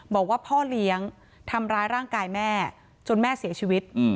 บอกว่าพ่อเลี้ยงทำร้ายร่างกายแม่จนแม่เสียชีวิต